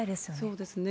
そうですね。